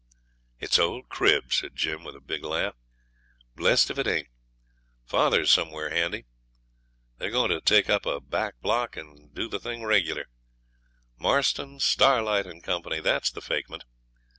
'It's old Crib,' said Jim, with a big laugh; 'blest if it ain't. Father's somewhere handy. They're going to take up a back block and do the thing regular: Marston, Starlight, and Company that's the fakement.